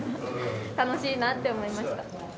楽しいなって思いました。